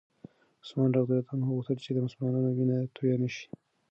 عثمان رض غوښتل چې د مسلمانانو وینه توی نه شي.